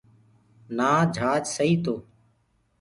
نآ جھاج سئٚ تو